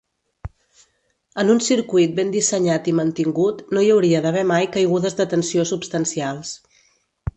En un circuit ben dissenyat i mantingut, no hi hauria d'haver mai caigudes de tensió substancials.